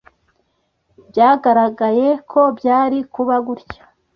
Byaragaragaye ko byari kuba gutya.